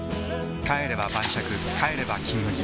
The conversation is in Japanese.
帰れば晩酌帰れば「金麦」